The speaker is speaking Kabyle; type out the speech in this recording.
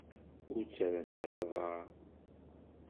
Ur ttarrant ara aḍar?